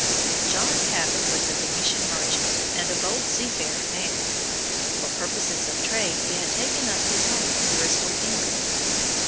John Cabot was a Venetian merchant, and a bold seafaring man. For purposes of trade he had taken up his home in Bristol, England.